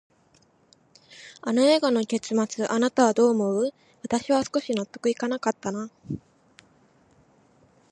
あの映画の結末、あなたはどう思う？私は少し納得いかなかったな。